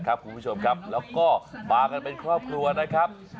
คุณผู้ชมครับแล้วก็มากันเป็นครอบครัวนะครับ